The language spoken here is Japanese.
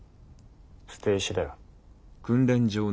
捨て石だよ。